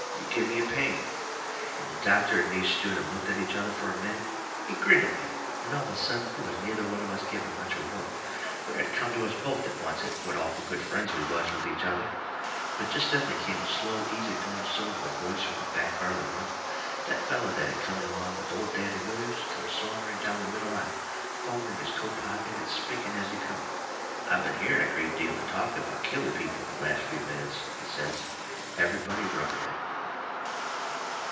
You give me a pain." And the doctor and me stood and looked at each other fur a minute. He grinned at me, and all of a sudden we was neither one of us much giving a whoop, fur it had come to us both at oncet what awful good friends we was with each other. But jest then they come a slow, easy going sort of a voice from the back part of the room. That feller that had come in along with Old Daddy Withers come sauntering down the middle aisle, fumbling in his coat pocket, and speaking as he come. "I've been hearing a great deal of talk about killing people in the last few minutes," he says. Everybody rubbered at him.